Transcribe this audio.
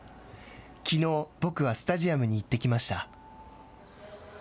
きのう僕はスタジアムに行ってきました。